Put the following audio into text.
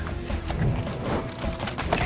emangnya kamu berani